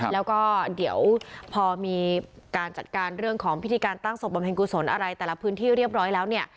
แล้วก็เดี๋ยวพอมีการจัดการเรื่องของพิธีการตั้งศพบำเพ็ญกุศลอะไรแต่ละพื้นที่เรียบร้อยแล้วเนี่ย